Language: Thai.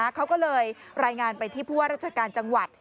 เขาก็เลยรายงานไปที่ผู้ว่าราชการจังหวัด